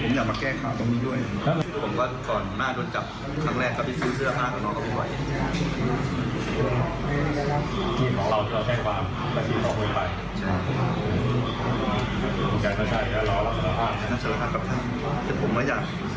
ผมอยากมาแกล้งค่าตรงนี้ด้วย